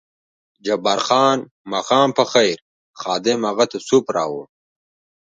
جبار خان: ماښام په خیر، خادم هغه ته سوپ راوړ.